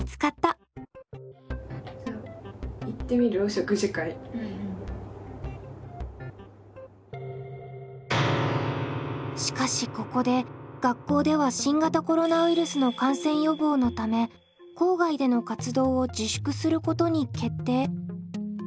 高校生でもしかしここで学校では新型コロナウイルスの感染予防のため校外での活動を自粛することに決定。